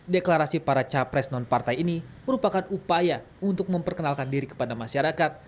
deklarasi para capres non partai ini merupakan upaya untuk memperkenalkan diri kepada masyarakat